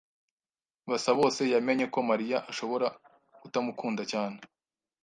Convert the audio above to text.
Basabose yamenye ko Mariya ashobora kutamukunda cyane.